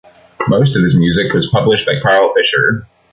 Most of his music was published by Carl Fischer.